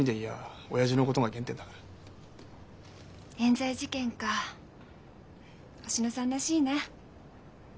冤罪事件か星野さんらしいな。